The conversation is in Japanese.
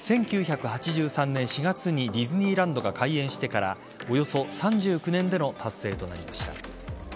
１９８３年４月にディズニーランドが開園してからおよそ３９年での達成となりました。